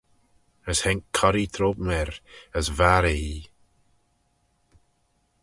As haink corree trome er as varr eh ee.